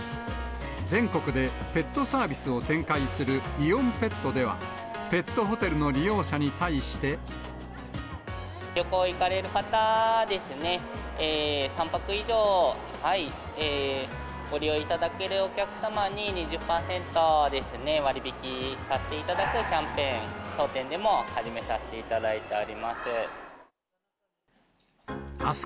全国でペットサービスを展開するイオンペットでは、ペットホテル旅行行かれる方ですね、３泊以上ご利用いただけるお客様に、２０％ですね、割引させていただくキャンペーン、当店でも始めさせていただいております。